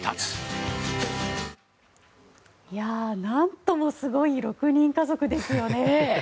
なんともすごい６人家族ですよね。